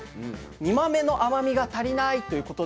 「煮豆の甘みが足りない！！」ということで。